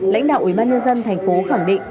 lãnh đạo ubnd thành phố khẳng định